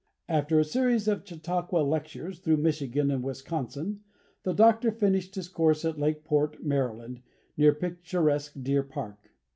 After a series of Chautauqua lectures through Michigan and Wisconsin, the Doctor finished his course at Lake Port, Maryland, near picturesque Deer Park.